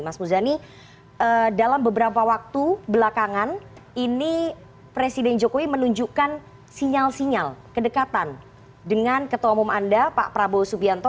mas muzani dalam beberapa waktu belakangan ini presiden jokowi menunjukkan sinyal sinyal kedekatan dengan ketua umum anda pak prabowo subianto